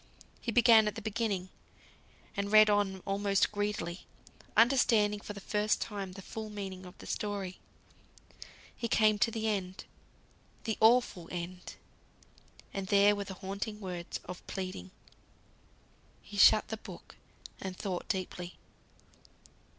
He began at the beginning, and read on almost greedily, understanding for the first time the full meaning of the story. He came to the end; the awful End. And there were the haunting words of pleading. He shut the book, and thought deeply.